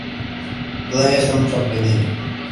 Todavía estábamos aprendiendo".